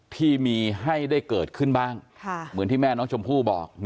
ที่มีให้ได้เกิดขึ้นบ้างเหมือนที่แม่น้องชมพู่บอก